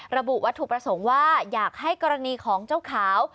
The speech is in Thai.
ระบุวัตถุประสงค์ว่าอยากให้กรณีของเจ้าขาว